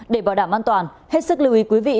để bảo đảm an toàn hết sức lưu ý quý vị